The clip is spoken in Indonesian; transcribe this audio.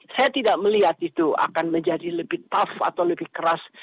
saya tidak melihat itu akan menjadi lebih tough atau lebih keras